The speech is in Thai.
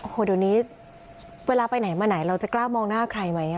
โอ้โหเดี๋ยวนี้เวลาไปไหนมาไหนเราจะกล้ามองหน้าใครไหม